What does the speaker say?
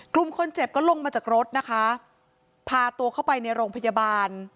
กลุ่มคนเจ็บก็ลงมาจากรถนะคะพาตัวเข้าไปในโรงพยาบาล